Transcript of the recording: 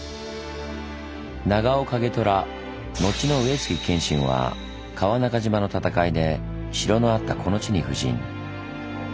長尾景虎のちの上杉謙信は川中島の戦いで城のあったこの地に布陣。